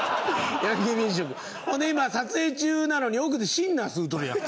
ほんで今撮影中なのに奥でシンナー吸うとるやん